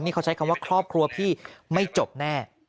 นี่เขาใช้คำว่าครอบครัวพี่ไม่จบแน่